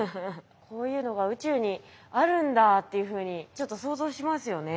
こういうのが宇宙にあるんだっていうふうにちょっと想像しますよね。